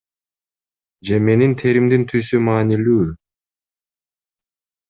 Же менин теримдин түсү маанилүүбү?